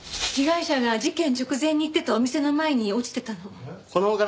被害者が事件直前に行ってたお店の前に落ちてたの。